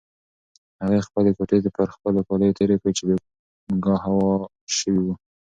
هغې خپلې ګوتې پر هغو کالیو تېرې کړې چې بېګا هوار شوي وو.